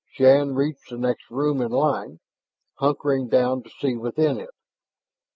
Shann reached the next room in line, hunkering down to see within it.